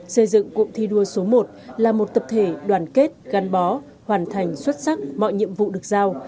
xây dựng cụm thi đua số một là một tập thể đoàn kết gắn bó hoàn thành xuất sắc mọi nhiệm vụ được giao